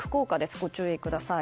ご注意ください。